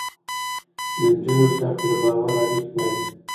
د نجونو زده کړه د باور اړيکې پالي.